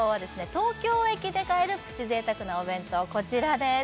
東京駅で買えるプチ贅沢なお弁当こちらです